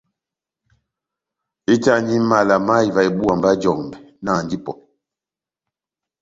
Ehitani mala má ivaha ibúwa mba jɔmbɛ, nahandi ipɔ !